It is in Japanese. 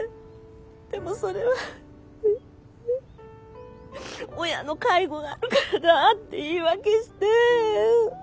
でもそれは親の介護があるからだって言い訳して。